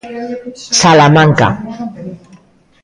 Salamanca.